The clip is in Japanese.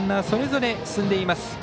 それぞれ進んでいます。